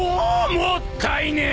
もったいねえ！